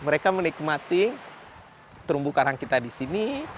mereka menikmati terumbu karang kita di sini